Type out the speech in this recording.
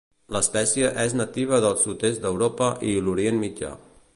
L'espècie és nativa del sud-est d'Europa i l'Orient Mitjà.